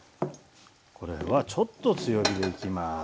これはちょっと強火でいきます。